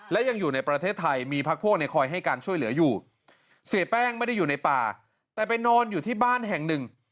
และยังอยู่ในประเทศไทยมีพักพวกเนี่ยคอยให้การช่วยเหลืออยู่เสียแป้งไม่ได้อยู่ในป่าแต่ไปนอนอยู่ที่บ้านแห่งหนึ่ง